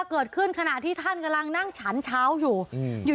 เกิดขึ้นขณะที่ท่านกำลังนั่งฉันเช้าอยู่